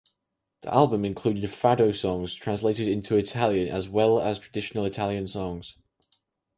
The album included fado songs translated into Italian as well as traditional Italian songs.